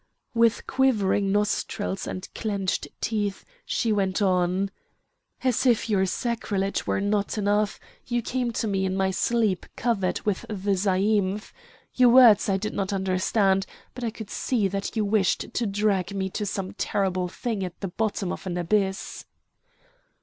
With quivering nostrils and clenched teeth she went on: "As if your sacrilege were not enough, you came to me in my sleep covered with the zaïmph! Your words I did not understand; but I could see that you wished to drag me to some terrible thing at the bottom of an abyss."